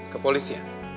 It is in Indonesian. ke polisi ya